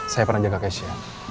saya pernah jaga keisha